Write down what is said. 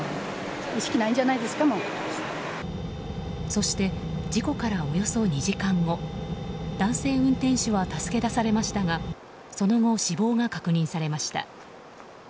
そして事故からおよそ２時間後男性運転手は助け出されましたがその後、死亡が確認されました。